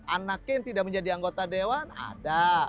anaknya yang tidak menjadi anggota dewan ada